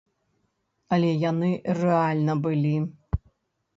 Але яны рэальна былі.